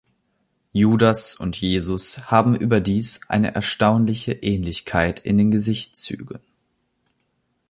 Judas und Jesus haben überdies eine erstaunliche Ähnlichkeit in den Gesichtszügen.